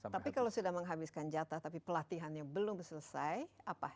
tapi kalau sudah menghabiskan jatah tapi pelatihannya belum selesai apa